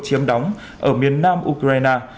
chiếm đóng ở miền nam ukraine